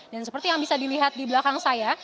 dan seperti yang bisa dilihat di belakang saya